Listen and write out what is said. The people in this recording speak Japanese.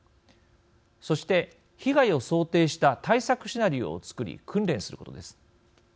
そして、被害を想定した対策シナリオを作り訓練することです。